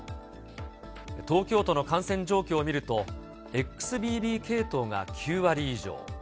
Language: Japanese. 東京都の感染状況を見ると、ＸＢＢ系統が９割以上。